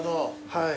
はい。